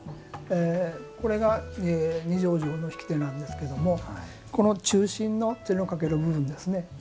これが二条城の引き手なんですけどもこの中心の手のかける部分ですね。